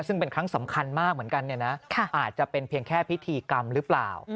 ซึ่งเป็นครั้งสำคัญมากเหมือนกันเนี่ยนะอาจจะเป็นเพียงแค่พิธีกรรมหรือเปล่า